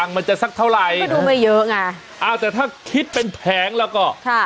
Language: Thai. ก็ดูไม่เยอะง่ะเอ้าแต่ถ้าคิดเป็นแผงแล้วก็ค่ะ